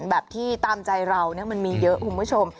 แบบที่ตามใจเรามันมีเยอะคุณผู้ชม